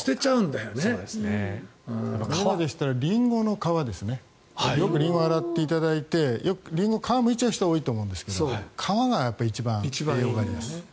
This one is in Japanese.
よくリンゴを洗っていただいてリンゴの皮、むいちゃう人が多いと思うんですが皮が一番栄養があります。